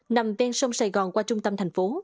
nằm ven sông sài gòn qua trung tâm thành phố